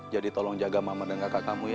jadi tolong jaga mama dan kakak kamu ya